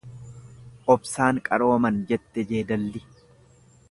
Obsaan qarooman jette jeedalli.